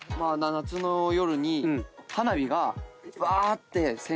夏の夜に花火がばーって。